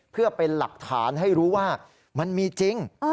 เพื่อเป็นหลักฐานให้รู้ว่ามันมีจริง